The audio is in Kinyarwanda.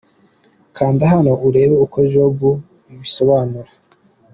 Kanda hano urebe uko Jobs abisobanura .